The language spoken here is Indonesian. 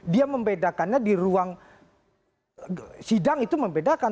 dia membedakannya di ruang sidang itu membedakan